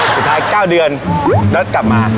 สุดท้าย๙เดือนแล้วกลับมา